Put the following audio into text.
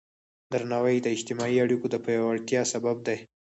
درناوی د اجتماعي اړیکو د پیاوړتیا سبب دی.